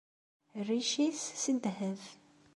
Rric-is s ddheb.